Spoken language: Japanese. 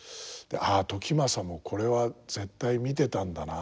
「ああ時政もこれは絶対見てたんだな」